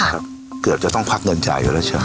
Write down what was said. ก็เกือบต้องควักเงินจ่ายอยู่แล้วใช่ไหม